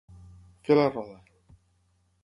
Fer la roda.